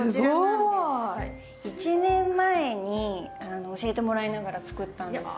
すごい。１年前に教えてもらいながら作ったんです。